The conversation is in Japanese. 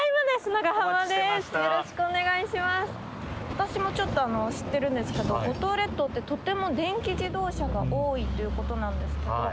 私もちょっと知ってるんですけど五島列島ってとても電気自動車が多いということなんですけど。